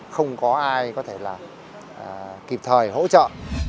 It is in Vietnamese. không có ai có thể là kịp thời hỗ trợ